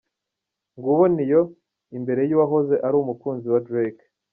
Nguwo Ne-Yo imbere y'uwahoze ari umukunzi wa Drake.